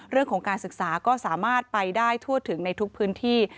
เรื่องของการศึกษาก็สามารถไปได้ทั่วถึงในทุกพื้นที่